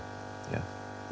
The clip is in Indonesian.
ini yang sekarang